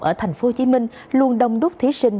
ở tp hcm luôn đông đúc thí sinh